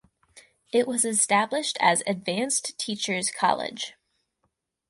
It was established as Advanced Teachers’ College.